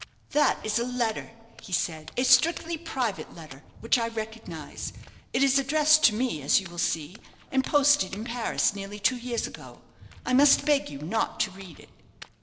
"That is a letter," he said, "a strictly private letter, which I recognize. It is addressed to me, as you will see; and posted in Paris nearly two years ago. I must beg you not to read it."